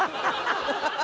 ハハハハ！